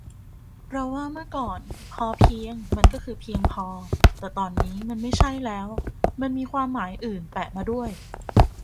เราว่า เมื่อก่อน พอเพียง มันก็คือ เพียงพอ แต่ตอนนี้มันไม่ใช่แล้ว มันมีความหมายอื่นแปะมาด้วย